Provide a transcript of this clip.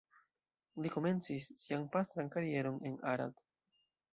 Li komencis sian pastran karieron en Arad.